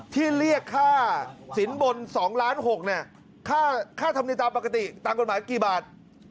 ที่เรียกค่าสินบน๒ล้าน๖เนี่ยค่าธรรมเนียมตามปกติตามกฎหมายกี่บาท